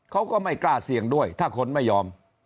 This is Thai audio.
เขาก็ไม่กล้าเสี่ยงด้วยถ้าคนไม่ยอม